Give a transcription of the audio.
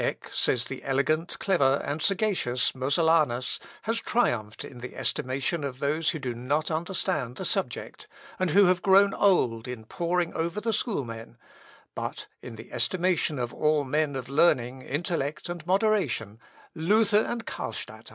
"Eck," says the elegant, clever, and sagacious Mosellanus "has triumphed in the estimation of those who do not understand the subject, and who have grown old in poring over the schoolmen; but, in the estimation of all men of learning, intellect, and moderation, Luther and Carlstadt are the victors."